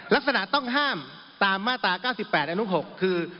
ลักษณะต้องห้ามตามมาตรา๙๘อนุ๖คือ